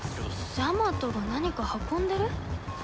ジャマトが何か運んでる？